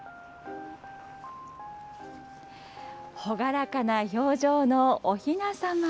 朗らかな表情のおひなさま。